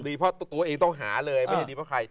เพราะตัวเองต้องหาเลยไม่ได้ดีเพราะใคร